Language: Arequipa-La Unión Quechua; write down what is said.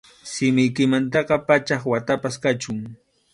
Simiykimantaqa pachak watapas kachun.